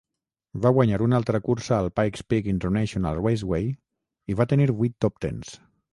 Va guanyar una altra cursa al Pikes Peak International Raceway i va tenir vuit top-tens.